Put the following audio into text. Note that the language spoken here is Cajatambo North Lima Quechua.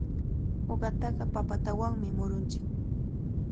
Uqataqa papatanawmi murunchik.